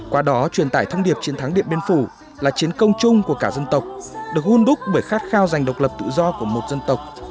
qua đó truyền tải thông điệp chiến thắng điện biên phủ là chiến công chung của cả dân tộc được hôn đúc bởi khát khao giành độc lập tự do của một dân tộc